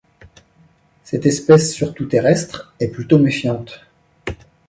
Cette espèce surtout terrestre est plutôt méfiante.